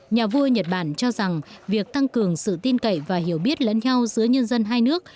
nhà vua nhật bản cho rằng việc tăng cường sự tin cậy và hiểu biết lẫn nhau giữa nhân dân hai nước